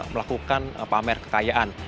melakukan pamer kekayaan